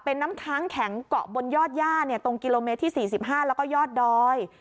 เป็นน้ำค้างแข็งเกาะบนยอดย่าตรงกิโลเมตรที่๔๕แล้วก็ยอดดอย